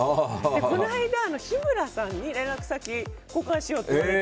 この間、日村さんに連絡先、交換しようって言われて。